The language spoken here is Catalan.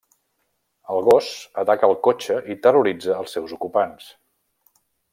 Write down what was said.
El gos ataca el cotxe i terroritza els seus ocupants.